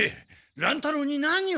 乱太郎に何を？